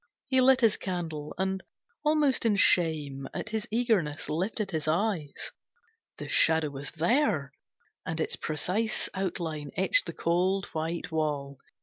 He lit his candle, and almost in shame At his eagerness, lifted his eyes. The Shadow was there, and its precise Outline etched the cold, white wall.